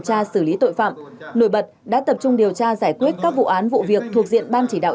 tra xử lý tội phạm nổi bật đã tập trung điều tra giải quyết các vụ án vụ việc thuộc diện ban chỉ đạo